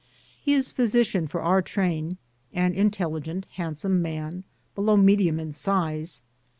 He is physician for our train ; an intelligent, handsome man, below medium in size.